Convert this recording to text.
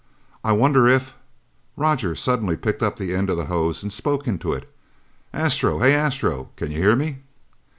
"I wonder if " Roger suddenly picked up the end of the hose and spoke into it. "Astro? Hey, Astro, can you hear me?"